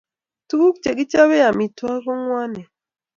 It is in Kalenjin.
tuguk che kichobe amitwokik ko ngwanen